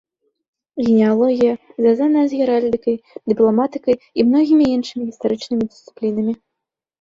Генеалогія звязаная з геральдыкай, дыпламатыкай і многімі іншымі гістарычнымі дысцыплінамі.